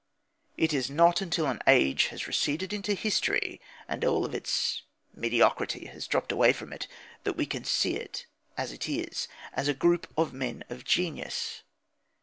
It is not until an age has receded into history, and all its mediocrity has dropped away from it, that we can see it as it is as a group of men of genius.